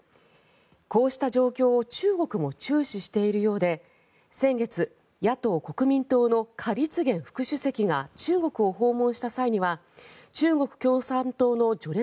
こうした状況を中国も注視しているようで先月、野党・国民党のカ・リツゲン副主席が中国を訪問した際には中国共産党の序列